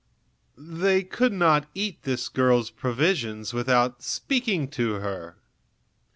They could not eat this girl's provisions without speaking to her.